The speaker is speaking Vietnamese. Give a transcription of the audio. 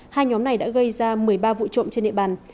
hai nhóm này đã gây ra một mươi ba vụ trộm trên địa bàn